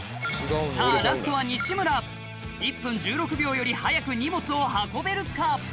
さぁラストは西村１分１６秒より早く荷物を運べるか？